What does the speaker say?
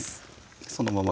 そのまま